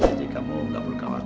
jadi kamu gak perlu khawatir